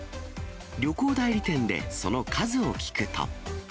旅行代理店で、その数を聞くと。